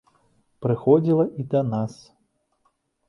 Прыходзіла і да нас.